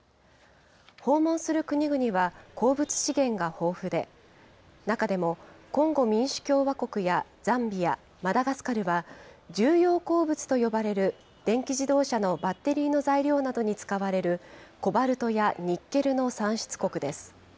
訪問する国々は鉱物資源が豊富で、中でもコンゴ民主共和国やザンビア、マダガスカルは、重要鉱物と呼ばれる電気自動車のバッテリーの材料などに使われるコバルトやニッケルの産出国です。